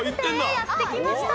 やって来ました。